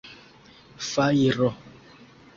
Fajro!